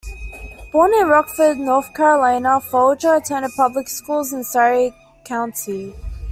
Born in Rockford, North Carolina, Folger attended public schools in Surry County.